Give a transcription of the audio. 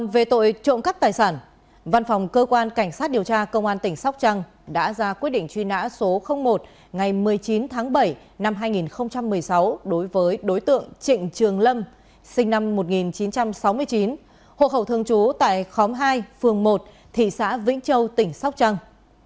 về tội trộm cắt tài sản văn phòng cơ quan cảnh sát điều tra công an tỉnh sóc trăng đã ra quyết định truy nã số một ngày một mươi chín tháng bảy năm hai nghìn một mươi sáu đối với đối tượng trịnh trường lâm sinh năm một nghìn chín trăm sáu mươi chín hộ khẩu thường trú tại khóm hai phường một thị xã vĩnh châu tỉnh sóc trăng